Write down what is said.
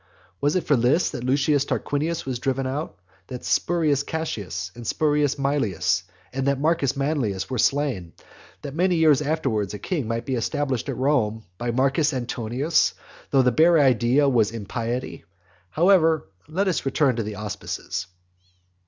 Was it for this that Lucius Tarquinius was driven out; that Spurius Cassius, and Spurius Maelius, and Marcus Manlius were slain; that many years afterwards a king might be established at Rome by Marcus Antonius, though the bare idea was impiety? However, let us return to the auspices.